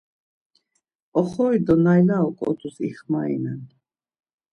Oxori do nayla oǩodus ixmarinen.